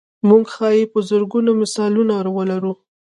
موږ ښایي په زرګونو مثالونه ولرو.